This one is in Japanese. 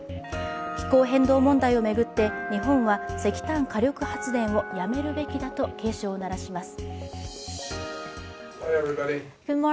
気候変動問題を巡って、日本は石炭火力発電をやめるべきだと警鐘を鳴らしいます。